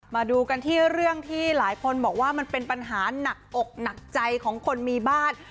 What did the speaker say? มาดูกันที่เรื่องที่หลายคนบอกว่ามันเป็นปัญหาหนักอกหนักใจของคนมีบ้าน